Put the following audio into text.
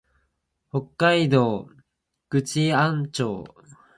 北海道倶知安町